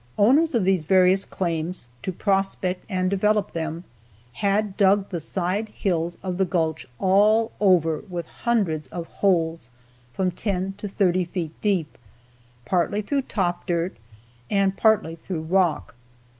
Owners of these various claims, to prospect and develop them, had dug the side hills of the gulch all over with hundreds of holes from ten to thirty feet deep, partly through top dirt and partly through rock.